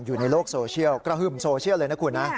อยู่ในโลกโซเชียลกระหึ่มโซเชียลเลยนะคุณนะ